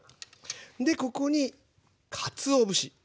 でここにかつお節。